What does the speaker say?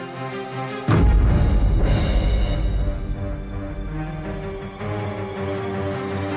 masa ini aku mau ke rumah